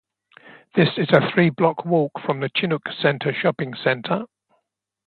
It is a three-block walk from the Chinook Centre shopping centre.